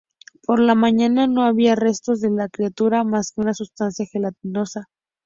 Por la mañana no había restos de la criatura más que una sustancia gelatinosa.